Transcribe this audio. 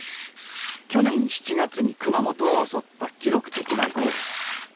去年７月に熊本を襲った記録的な豪雨。